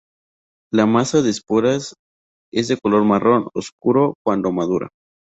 La masa de esporas es de color marrón oscuro cuando madura.